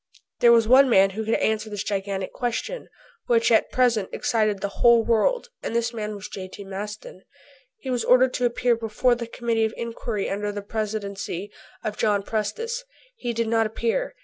There was one man who could answer this gigantic question, which at present excited the whole world and this man was J.T. Maston. He was ordered to appear before the Committee of Inquiry under the Presidency of John Prestice. He did not appear.